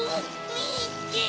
みっけ！